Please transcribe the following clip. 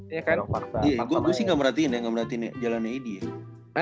iya gue sih gak merhatiin ya gak merhatiin jalan ad ya